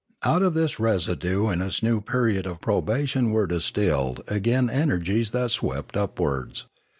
Out of this residue in its new period of probation were distilled again energies that swept upwards.